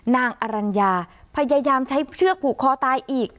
นางอรัญญาพยายามใช้เชือกผูกคอตายอีก